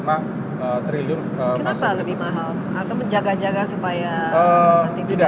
atau menjaga jaga supaya nanti tidak